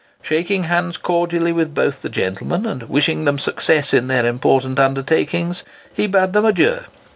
Shaking hands cordially with both the gentlemen, and wishing them success in their important undertakings, he bade them adieu.